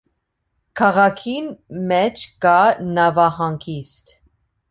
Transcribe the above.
Քաղաքին մէջ կայ նաւահանգիստ։